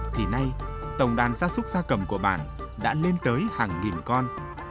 thì nay tổng đàn gia súc gia cầm của bản đã lên tới hàng nghìn con